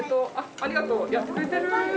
ありがとう。